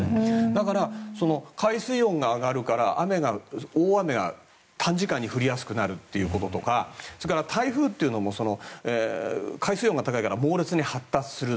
だから、海水温が上がるから雨が、大雨が短時間に降りやすくなるということとかそれから台風というのも海水温が高いから猛烈に発達する。